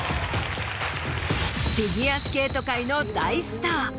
フィギュアスケート界の大スター。